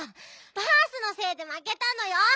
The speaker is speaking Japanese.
バースのせいでまけたのよ！